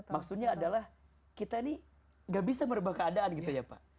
maksudnya adalah kita ini gak bisa merubah keadaan gitu ya pak